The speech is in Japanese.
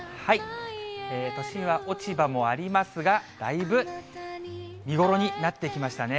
都心は落ち葉もありますが、だいぶ、見頃になってきましたね。